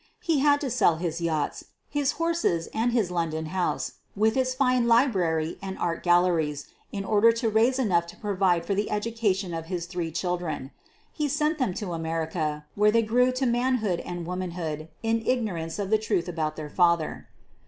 He had to sell his yachts, his horses, and his London house with its fine library and art galleries in order to raise enough to provide for the education of his three children. He sent them to America, where they grew to man hood and womanhood in ignorance of the truth about their father.